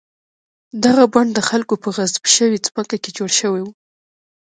دغه بڼ د خلکو په غصب شوې ځمکه کې جوړ شوی و.